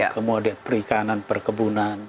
kemudian perikanan perkebunan